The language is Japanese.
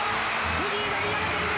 藤井が見上げている。